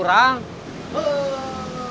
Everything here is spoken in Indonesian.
yang lebih sepulcih bercd